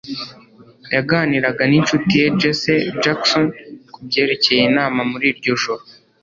Yaganiraga ninshuti ye Jesse Jackson kubyerekeye inama muri iryo joro.